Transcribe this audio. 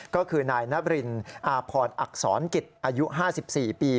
ก็คือนายนบรินอาพรอักษรกิจอายุ๕๔ปี